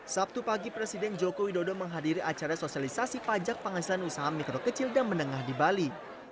sabtu pagi presiden joko widodo menghadiri acara sosialisasi pajak penghasilan usaha mikro kecil dan menengah di bali